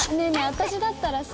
私だったらさ